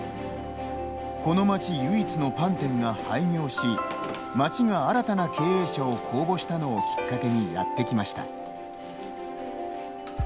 この町唯一のパン店が廃業し町が新たな経営者を公募したのをきっかけにやってきました。